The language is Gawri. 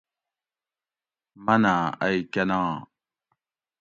مناۤں ائی کۤناں؟